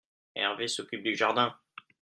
Herve s'occupe du jardin.